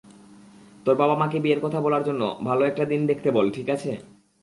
তোর বাবা-মাকে বিয়ের কথা বলার জন্য ভালো একটা দিন দেখতে বল, ঠিক আছে?